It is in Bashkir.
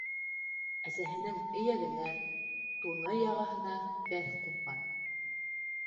Әсәһенең эйәгенә, туны яғаһына бәҫ ҡунған.